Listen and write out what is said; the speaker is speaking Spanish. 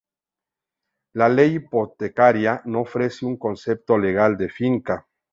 La Ley Hipotecaria no ofrece un concepto legal de finca.